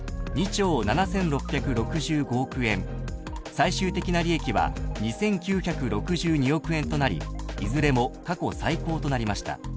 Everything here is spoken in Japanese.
［最終的な利益は２，９６２億円となりいずれも過去最高となりました］